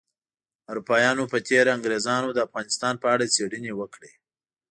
اروپایانو په تیره انګریزانو د افغانستان په اړه څیړنې وکړې